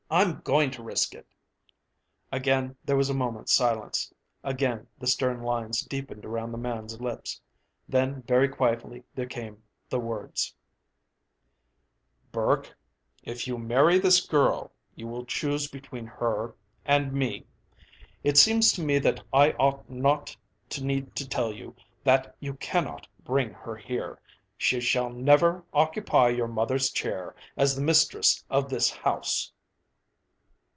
I'm going to risk it." Again there was a moment's silence. Again the stern lines deepened around the man's lips. Then very quietly there came the words: "Burke, if you marry this girl, you will choose between her and me. It seems to me that I ought not to need to tell you that you cannot bring her here. She shall never occupy your mother's chair as the mistress of this house."